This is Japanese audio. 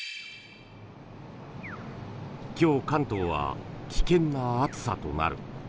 今日、関東は危険な暑さとなる。